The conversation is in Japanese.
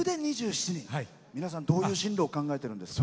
皆さん、どういう進路を考えてるんですか。